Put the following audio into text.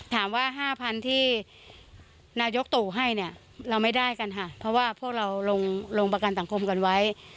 ถามว่า๕๐๐๐ปีหน้ายกตุให้เราไม่ได้เพราะว่าเราลงประกันต่างคมกันให้